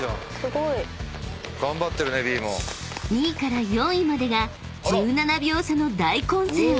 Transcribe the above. ［２位から４位までが１７秒差の大混戦］